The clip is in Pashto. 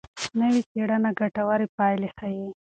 نوې څېړنه ګټورې پایلې ښيي.